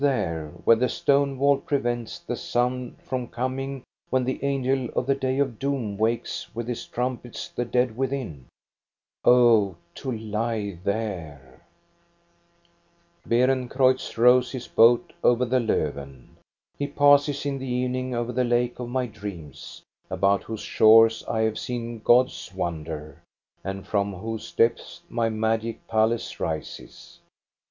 352 THE STORY OF GOSTA BERLING where the stone wall prevents the sound from com ing when the angel of the day of doom wakes with his trumpet the dead within, — oh, to lie there ! Beerencreutz rows his boat over the Lofven. He passes in the evening over the lake of my dreams, about whose shores I have seen gods wander, and from whose depths my magic palace rises.